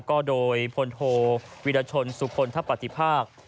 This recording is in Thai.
ก็โดยพลโทวิรชนสุคลทะปฏิภาค